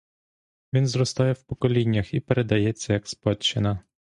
Він зростає в поколіннях і передається, як спадщина.